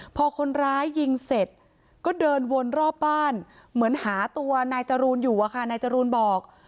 พอคนร้ายยิงเสร็จก็เดินวนรอบบ้านเหมือนหาตัวนายจรูนอยู่อะค่ะนายจรูนบอก